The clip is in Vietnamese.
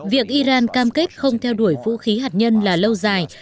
việc iran cam kết không theo đuổi vũ khí hạt nhân là lâu dài